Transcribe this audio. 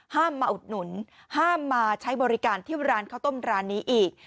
มาอุดหนุนห้ามมาใช้บริการที่ร้านข้าวต้มร้านนี้อีก